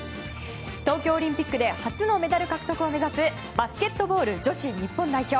東京オリンピックで初のメダル獲得を目指すバスケットボール女子日本代表。